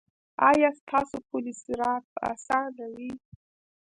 ایا ستاسو پل صراط به اسانه وي؟